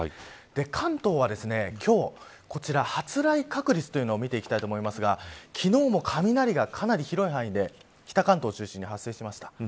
関東は、今日こちら発雷確率を見ていきたいと思いますが昨日も雷が、かなり広い範囲で北関東を中心に発生しました。